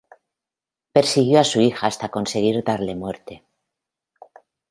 Persiguió a su hija hasta conseguir darle muerte.